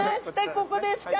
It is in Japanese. ここですか。